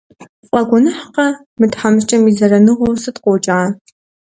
ПфӀэгуэныхькъэ, мы тхьэмыщкӀэм и зэраныгъэу сыт къокӀа?